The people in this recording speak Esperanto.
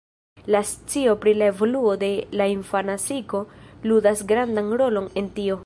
La scio pri la evoluo de la infana psiko ludas grandan rolon en tio.